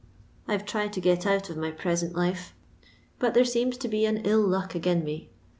I 've tried to get out of my present life, but there seems to be an ill luck again me.